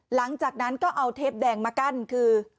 หลังจากนั้นก็เอาเทปแดงมากั้นคือ